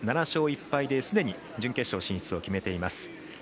７勝１敗ですでに準決勝進出を決めています。